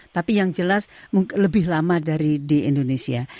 tapi yang jelas lebih lama dari di indonesia